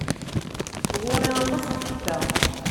Ɣur-i aṭas n tekta.